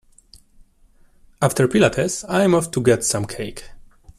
After pilates, I’m off to get some cake.